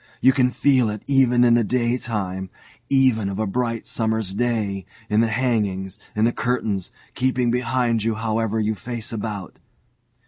You can feel it even in the daytime, even of a bright summer's day, in the hangings, in the curtains, keeping behind you however you face about.